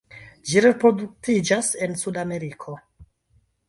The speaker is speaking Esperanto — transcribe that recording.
Ĝi reproduktiĝas en Sudameriko.